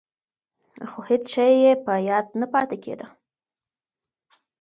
خو هېڅ شی یې په یاد نه پاتې کېده.